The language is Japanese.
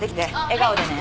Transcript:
笑顔でね。